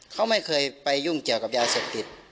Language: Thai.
เขาไม่เคยไปยุ่งเกี่ยวกับยาเสพติด